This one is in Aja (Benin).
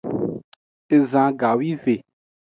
Ezan gawive.